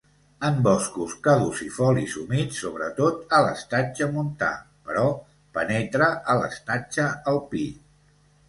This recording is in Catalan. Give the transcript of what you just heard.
En boscos caducifolis humits sobretot a l'estatge montà però penetra a l'estatge alpí.